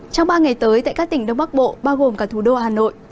trong ba ngày tới tại các tỉnh đông bắc bộ bao gồm cả thủ đô hà nội